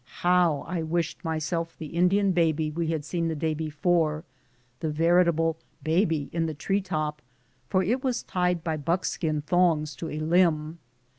How I wished myself the Indian baby we had seen the day before — the veritable "baby in the tree top," for it was tied by buckskin thongs to a limb!